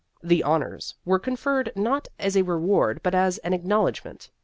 The " honors " were conferred not as a reward but as an acknowledg ment.